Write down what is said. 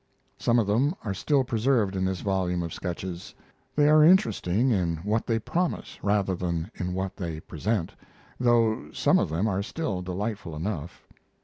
Some of them are still preserved in this volume of sketches. They are interesting in what they promise, rather than in what they present, though some of them are still delightful enough.